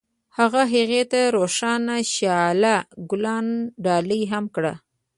هغه هغې ته د روښانه شعله ګلان ډالۍ هم کړل.